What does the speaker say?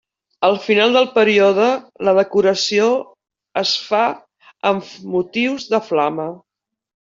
Al final del període, la decoració es fa amb motius de flama.